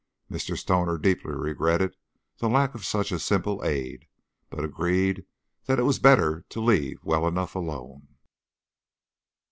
Mr. Stoner deeply regretted the lack of such a simple aid, but agreed that it was better to leave well enough alone.